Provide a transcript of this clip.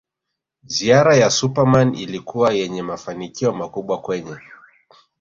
Ziara ya Super Man ilikuwa yenye mafanikio makubwa kwenye